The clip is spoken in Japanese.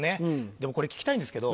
でもこれ聞きたいんですけど。